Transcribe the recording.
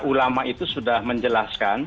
ulama itu sudah menjelaskan